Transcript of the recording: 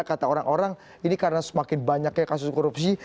kata orang orang ini karena semakin banyaknya kasus korupsi